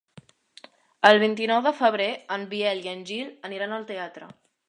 El vint-i-nou de febrer en Biel i en Gil aniran al teatre.